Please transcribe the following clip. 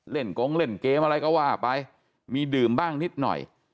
กงเล่นเกมอะไรก็ว่าไปมีดื่มบ้างนิดหน่อย